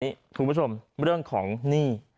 คุณผู้ชมเรื่องของหนี้